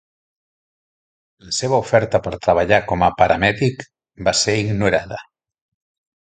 La seva oferta per treballar com a paramèdic va ser ignorada.